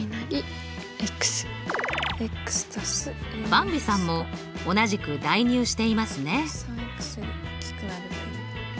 ばんびさんも同じく代入していますね。